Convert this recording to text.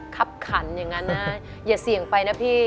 ครับขันอย่างนั้นนะอย่าเสี่ยงไปนะพี่